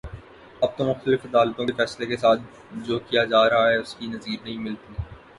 اب تو مختلف عدالتوں کے فیصلوں کے ساتھ جو کیا جا رہا ہے اس کی نظیر نہیں ملتی